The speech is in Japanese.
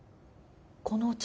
このお茶